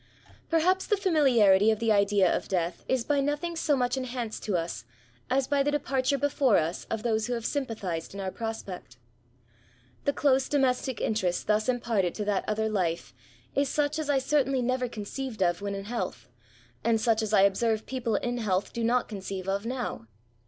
Perhaps the familiarity of the idea of death is by nothing so much enhanced to us as by the 122 ESSAYS. departure before us of those who have sympathised in our prospect. The dose domestic interest thus imparted to that other life is such as I certainly never conceived of when in health, and such as I observe people in health do not conceive of now.